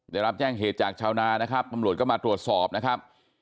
ได้รับแจ้งเหตุจากชาวนานะครับตำรวจก็มาตรวจสอบนะครับ